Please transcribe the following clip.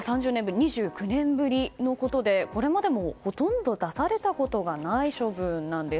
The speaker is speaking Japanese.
２９年ぶりのことでこれまでもほとんど出されたことがない処分なんです。